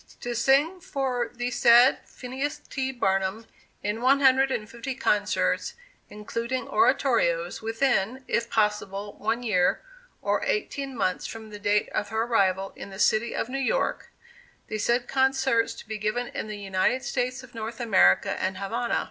To sing for the said Phineas T. Barnum in one hundred and fifty concerts, including oratorios, within (if possible) one year, or eighteen months from the date of her arrival in the City of New York the said concerts to be given in the United States of North America and Havana.